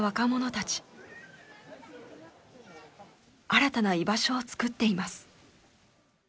新たな居場所を作っています。